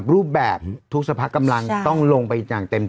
รูปแบบทุกสภาคกำลังต้องลงไปอย่างเต็มที่